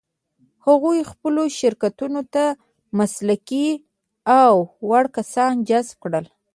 هغوی خپلو شرکتونو ته مسلکي او وړ کسان جذب کړل.